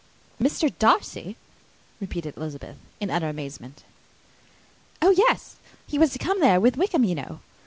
"Mr. Darcy!" repeated Elizabeth, in utter amazement. "Oh, yes! he was to come there with Wickham, you know.